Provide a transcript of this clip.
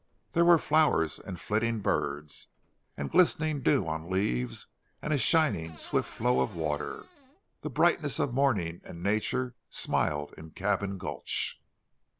There were flowers and flitting birds, and glistening dew on leaves, and a shining swift flow of water the brightness of morning and nature smiled in Cabin Gulch.